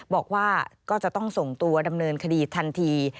บอกว่าก็จะต้องส่งตัวดำเนินคดีทันที